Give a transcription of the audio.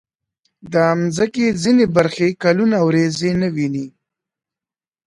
د مځکې ځینې برخې کلونه وریځې نه ویني.